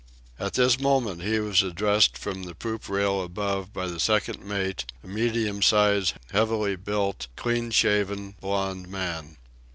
At this moment he was addressed from the poop rail above by the second mate, a medium sized, heavily built, clean shaven, blond man.